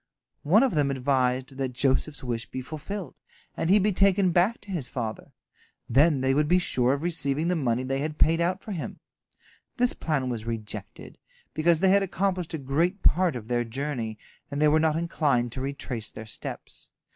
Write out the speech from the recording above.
One of them advised that Joseph's wish be fulfilled, and he be taken back to his father. Then they would be sure of receiving the money they had paid out for him. This plan was rejected, because they had accomplished a great part of their journey, and they were not inclined to retrace their steps.